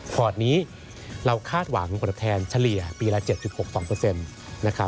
พอร์ตนี้เราคาดหวังผลตอบแทนเฉลี่ยปีละ๗๖๒นะครับ